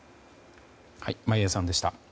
眞家さんでした。